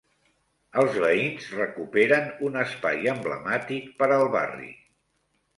Els veïns recuperen un espai emblemàtic per al barri.